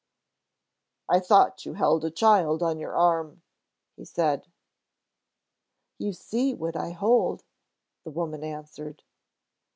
"I thought you held a child on your arm," he said. "You see what I hold," the woman answered.